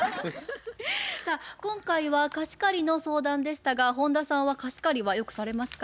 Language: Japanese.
さあ今回は貸し借りの相談でしたが本田さんは貸し借りはよくされますか？